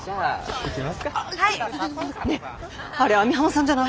はい。